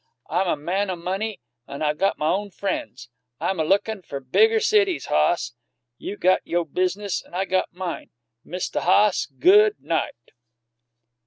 I'm a man o' money, an' I got my own frien's; I'm a lookin' fer bigger cities, hoss. You got you' biz'nis an' I got mine. Mista' Hoss, good night!"